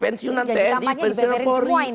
pensiunan teddy pensiunan pory